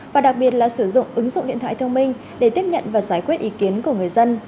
và đặc biệt là sử dụng ứng dụng điện thoại thông minh để tiếp nhận và giải quyết ý kiến của người dân